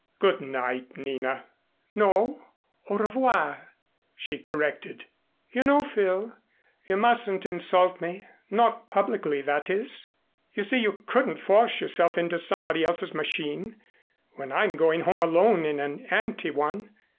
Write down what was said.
"Good night, Nina." "No, au revoir," she corrected. "You know, Phil, you mustn't insult me not publicly, that is. You see you couldn't force yourself into somebody else's machine, when I'm going home alone in an empty one.